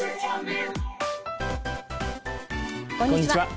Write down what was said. こんにちは。